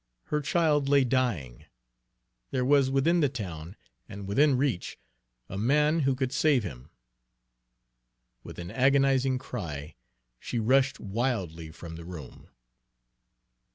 Her child lay dying. There was within the town, and within reach, a man who could save him. With an agonized cry she rushed wildly from the room.